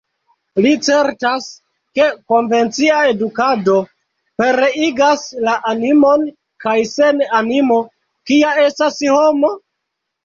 Li certas, ke konvencia edukado pereigas la animon, kaj sen animo, kia estas homo?